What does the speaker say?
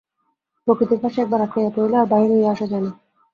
প্রকৃতির ফাঁসে একবার আটকাইয়া পড়িলে আর বাহির হইয়া আসা যায় না।